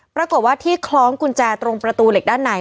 ปรากฏว่าที่คล้องกุญแจตรงประตูเหล็กด้านใน